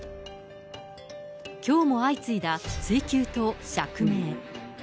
きょうも相次いだ追及と釈明。